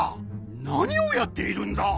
何をやっているんだ！